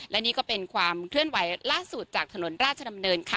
และนี่ก็เป็นความเคลื่อนไหวล่าสุดจากถนนราชดำเนินค่ะ